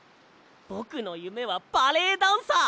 ぼくのゆめはバレエダンサー。